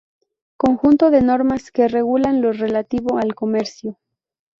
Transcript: Conjunto de normas que regulan lo relativo al comercio.